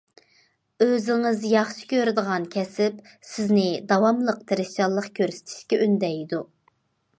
ئۆزىڭىز ياخشى كۆرىدىغان كەسىپ سىزنى داۋاملىق تىرىشچانلىق كۆرسىتىشكە ئۈندەيدۇ.